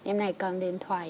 em này cầm điện thoại